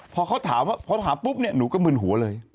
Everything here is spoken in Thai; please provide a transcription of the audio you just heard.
พอเขาถามปุ๊บเนี่ยหนูก็มืนหัวเลย